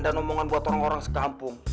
dan omongan buat orang orang sekampung